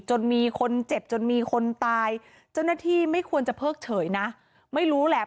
จนมีคนเจ็บจนมีคนตายเจ้าหน้าที่ไม่ควรจะเพิกเฉยนะไม่รู้แหละ